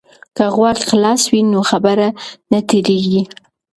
که غوږ خلاص وي نو خبره نه تیریږي.